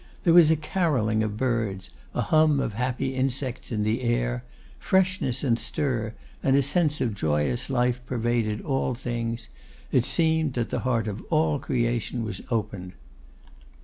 There was a carolling of birds; a hum of happy insects in the air; freshness and stir, and a sense of joyous life, pervaded all things; it seemed that the heart of all creation opened.